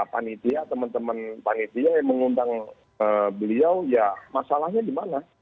panitia teman teman panitia yang mengundang beliau ya masalahnya di mana